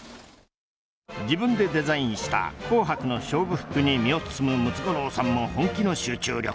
自分でデザインした紅白の勝負服に身を包むムツゴロウさんも本気の集中力。